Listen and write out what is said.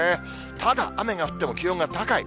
ただ、雨が降っても気温が高い。